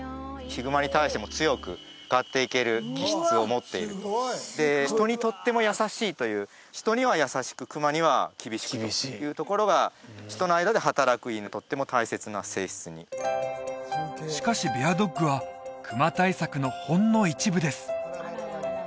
ヒグマに対しても強く向かっていける気質を持っているで人にとても優しいという人には優しく熊には厳しくというところが人の間で働く犬にとっても大切な性質にしかしベアドッグは熊対策のほんの一部です